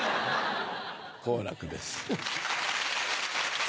好楽です。